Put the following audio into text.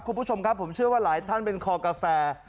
คุณผู้ชมครับผมเชื่อว่าหลายท่านเป็นคอกาแฟ